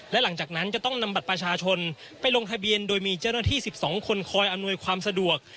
และหลังจากนั้นจะต้องนำบัตรประชาชนไปลงทะเบียนโดยมีเจ้าหน้าที่๑๒คนคอยอำนวยความสะดวก